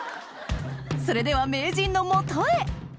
それでは名人の元へ！